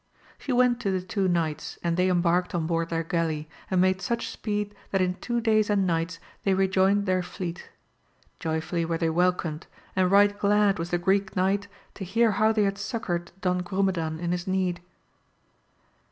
She went to the two knights, and they embarked on board their galley, and made such speed that in two days and nights they rejoined their fleet. Joy fully were they welcomed, and right glad was the Greek Knight to hear how they had succoured Don Grumedan in his need.